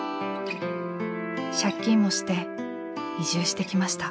借金もして移住してきました。